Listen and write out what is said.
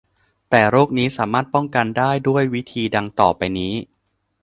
แต่โรคนี้สามารถป้องกันได้ด้วยวิธีดังต่อไปนี้